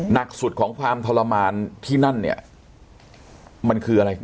หนักสุดของความทรมานที่นั่นเนี่ยมันคืออะไร